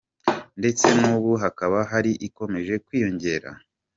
Ndetse nubu hakaba hari ikomeje kwiyongera.